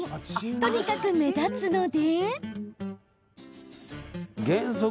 とにかく目立つので。